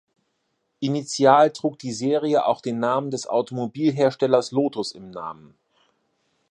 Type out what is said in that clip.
Initial trug die Serie auch den Namen des Automobilherstellers Lotus im Namen.